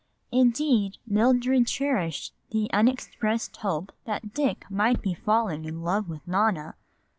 Indeed, Mildred cherished the unexpressed hope that Dick might be falling in love with Nona.